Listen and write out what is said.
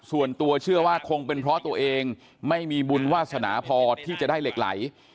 ส่วนตัวเชื่อว่าคงเป็นเพราะตัวเองไม่มีบุญวาสนาพอที่จะได้เหล็กไหล